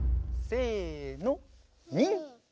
せの。